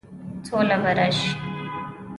سوله به راشي؟